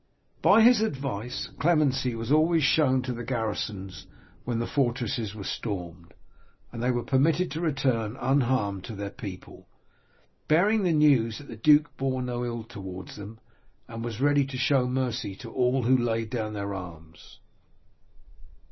By his advice clemency was always shown to the garrisons when the fortresses were stormed, and they were permitted to return unharmed to their people, bearing the news that the duke bore no ill will towards them, and was ready to show mercy to all who laid down their arms.